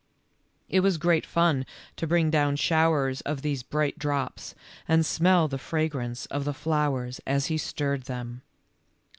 It was great fun to bring down showers of these bright drops, and smell the fragrance of the flowers as he stirred them.